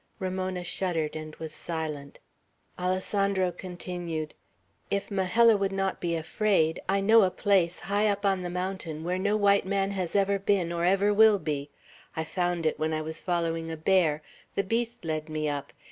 Ramona shuddered, and was silent. Alessandro continued: "If Majella would not be afraid, I know a place, high up on the mountain, where no white man has ever been, or ever will be. I found it when I was following a bear. The beast led me up.